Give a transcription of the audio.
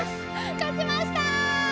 勝ちました！